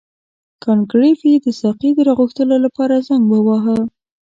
کانت ګریفي د ساقي د راغوښتلو لپاره زنګ وواهه.